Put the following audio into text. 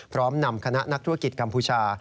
พร้อมนำคณะนักธุรกิจกัมพูชา